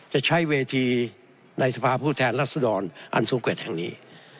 จะใช้เวทีในสภาพผู้แทนรัศดรอันทรงเกร็ดแห่งนี้